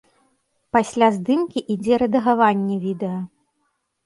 Пасля здымкі ідзе рэдагаванне відэа.